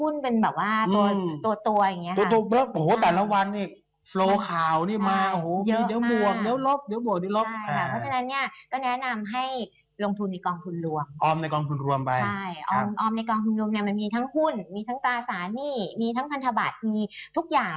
ในกองคุมรวมเนี่ยมันมีทั้งหุ้นมีทั้งตาสารหนี้มีทั้งพันธบัตรมีทุกอย่าง